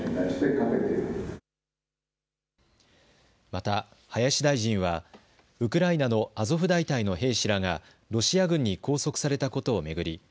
また林大臣はウクライナのアゾフ大隊の兵士らがロシア軍に拘束されたことを巡り